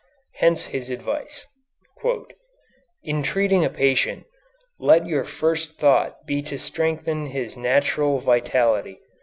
Hence his advice: "In treating a patient, let your first thought be to strengthen his natural vitality.